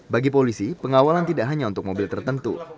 bagi polisi pengawalan tidak hanya untuk mobil tertentu